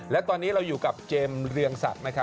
และตอนนี้เราอยู่กับเจมส์เรืองศักดิ์